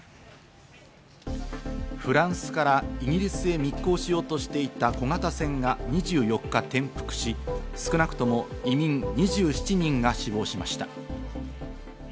フランスからイギリスへ密航しようとしていた小型船が２４日、転覆し、少なくとも移民３１人が死亡しました。